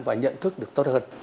và nhận thức được tốt hơn